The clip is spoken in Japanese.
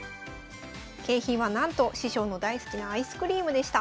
景品はなんと師匠の大好きなアイスクリームでした。